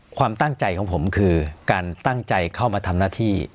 ความตั้งใจของผมคือการตั้งใจเข้ามาทำหน้าที่